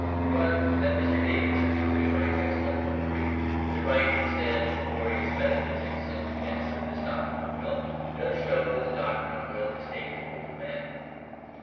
But that Mr. Davidson (who can write excellent poetry) should write instead laborious metaphysics in defence of this doctrine of will, does show that the doctrine of will has taken hold of men.